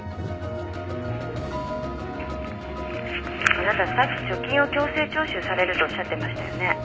あなたさっき貯金を強制徴収されるとおっしゃってましたよね？